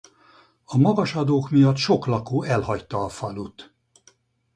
A magas adók miatt sok lakó elhagyta a falut.